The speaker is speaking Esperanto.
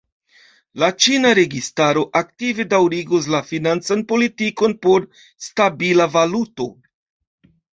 La ĉina registaro aktive daŭrigos la financan politikon por stabila valuto.